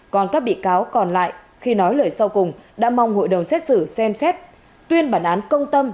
còn các bị cáo còn lại khi nói lời sau cùng đã mong hội đồng xét xử xem xét tuyên bản án công tâm